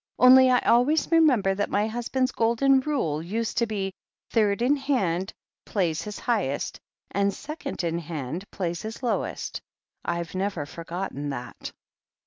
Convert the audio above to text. "Only I always remember that my husband's golden rule used to be. Third in hand plays his highest, and second in hand plays his lowest.' I've never forgotten that."